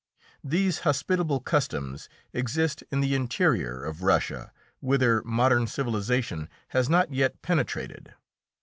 These hospitable customs exist in the interior of Russia, whither modern civilisation has not yet penetrated.